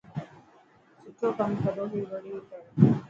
سٺو ڪم ڪروهي وڙي ڪر.